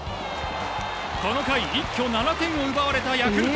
この回一挙７点を奪われたヤクルト。